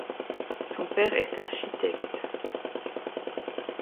Son père est architecte.